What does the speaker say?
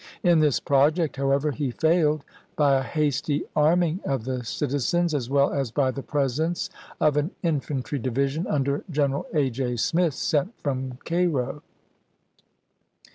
In this project, however, he failed by a hasty arming of the citizens as well as by the presence of an infantry division under Gen eral A. J. Smith, sent from Cairo.